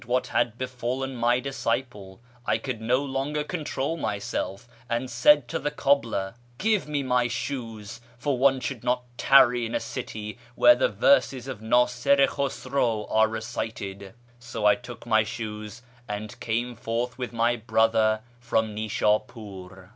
48o A YEAH AMONGST THE PERSIANS what liad bofallon my disciple, I could no longer control myself, and said to the cobbler, ' CJive me my shoes, for one should not tany in a city where the verses of Nasir i Khusraw are recited.' So I took my shoes, and came forth with my brother from Nfshapur."